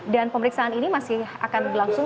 dan pemeriksaan ini masih akan berlangsung